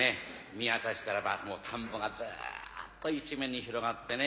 見渡したらばもう田んぼがずっと一面に広がってね。